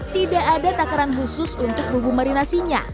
tidak ada takaran khusus untuk bumbu marinasinya